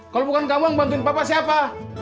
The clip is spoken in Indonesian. kalau bukan kamu yang bantuin papa siapa